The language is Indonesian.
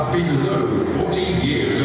dan lebih dari empat puluh tahun